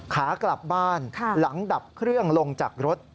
ขากลับบ้านหลังดับเครื่องลงจากรถ